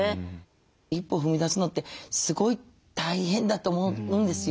一歩踏み出すのってすごい大変だと思うんですよ。